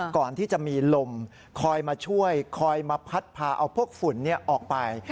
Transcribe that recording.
ก่อนที่จะมีลมคอยมาช่วยคอยมาพัดพาเอาพวกฝุ่นออกไป